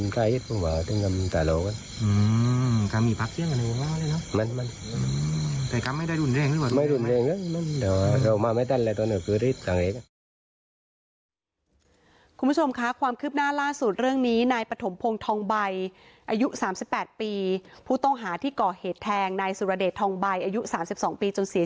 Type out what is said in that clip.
คุณผู้ชมค่ะความคืบหน้าล่าสุดเรื่องนี้นายปฐมพงศ์ทองใบอายุ๓๘ปีผู้ต้องหาที่ก่อเหตุแทงนายสุรเดชทองใบอายุ๓๒ปีจนเสีย